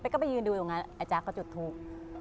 เป๊กก็ไปยืนดูตรงนั้นอาจ๊ะก็จดทูก